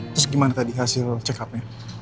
terus gimana tadi hasil check upnya